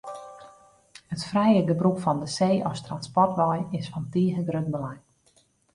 It frije gebrûk fan de see as transportwei is fan tige grut belang.